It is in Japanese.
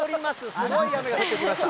すごい雨が降ってきました。